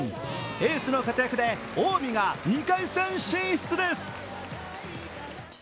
エースの活躍で近江が２回戦進出です。